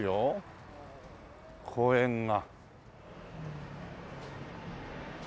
公園が。